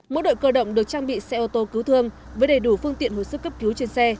mỗi đội cơ động được trang bị xe ô tô cứu thương với đầy đủ phương tiện hồi sức cấp cứu trên xe